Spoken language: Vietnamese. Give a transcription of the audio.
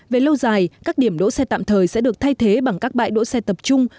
về lâu dài các điểm đỗ xe tạm thời sẽ được thay thế bằng các bãi đỗ xe tập trung